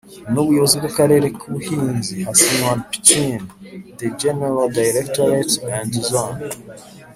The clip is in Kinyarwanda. n Ubuyobozi bw Akarere k Ubuhinzi hasinywa between the General Directorate and Zone